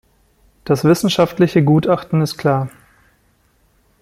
Das wissenschaftliche Gutachten ist klar.